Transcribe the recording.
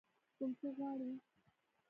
کوم څه غواړئ؟